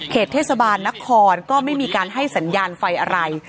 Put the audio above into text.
เทศบาลนครก็ไม่มีการให้สัญญาณไฟอะไร